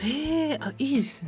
あいいですね。